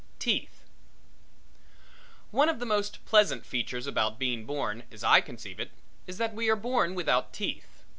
TEETH One of the most pleasant features about being born, as I conceive it, is that we are born without teeth.